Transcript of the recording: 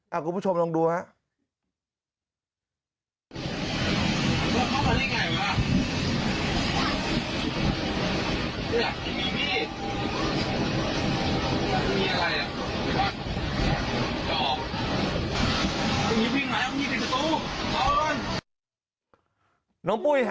เอ้ากลุ่มผู้ชมลองดูนะ